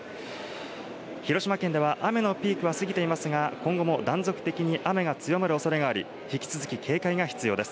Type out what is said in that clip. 広島県では雨のピークは過ぎていますが、今後も断続的に雨が強まる恐れがあり、引き続き警戒が必要です。